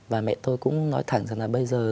bà mẹ tôi cũng nói thẳng rằng là bây giờ